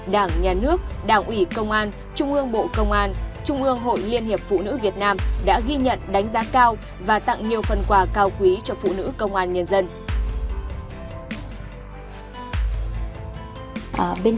đảng nhà nước đảng ủy công an trung ương bộ công an trung ương hội liên hiệp phụ nữ việt nam đã ghi nhận đánh giá cao và tặng nhiều phần quà cao quý cho phụ nữ công an nhân dân